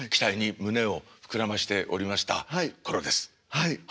はい。